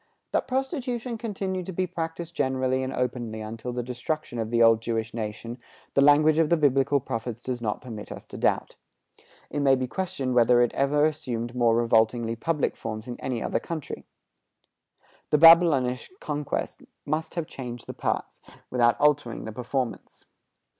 That prostitution continued to be practiced generally and openly until the destruction of the old Jewish nation, the language of the Biblical prophets does not permit us to doubt. It may be questioned whether it ever assumed more revoltingly public forms in any other country. The Babylonish conquest must have changed the parts, without altering the performance.